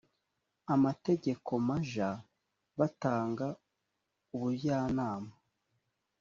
amategeko maj batanga ubujyanama